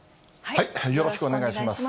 よろしくお願いします。